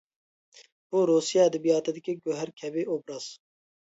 بۇ رۇسىيە ئەدەبىياتىدىكى گۆھەر كەبى ئوبراز.